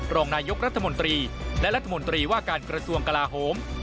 รองนายกรัฐมนตรีและรัฐมนตรีว่าการกระทรวงกลาโหม